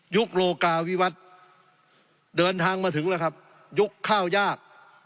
ยุคเข้ายาก